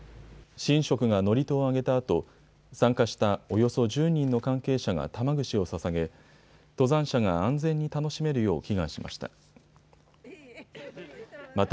神職が祝詞を上げたあと参加したおよそ１０人の関係者が玉串をささげ登山者が安全に楽しめるよう祈願しました。